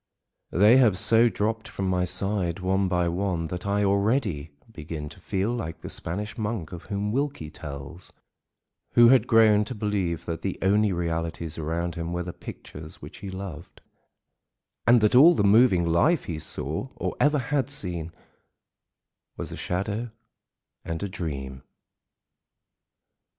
They have so dropped from my side one by one that I already, begin to feel like the Spanish monk of whom Wilkie tells, who had grown to believe that the only realities around him were the pictures which he loved, and that all the moving life he saw, or ever had seen, was a shadow and a dream.